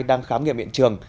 đang khám nghiệm hiện trường